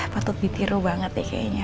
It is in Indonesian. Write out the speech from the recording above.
patut ditiru banget ya kayaknya